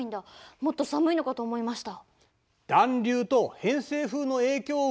もっと寒いのかと思いました。